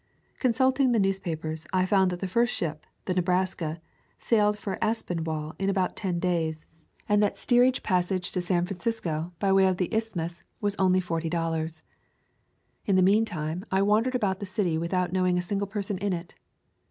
Consult ing the newspapers, I found that the first ship, the Nebraska, sailed for Aspinwall in about ten days, and that the steerage passage to [ 185 ] A Thousand Mile Walk San Francisco by way of the Isthmus was only forty dollars. In the mean time I wandered about the city without knowing a single person in it.